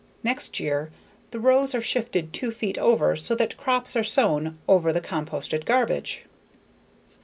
Next year, the rows are shifted two feet over so that crops are sown above the composted garbage.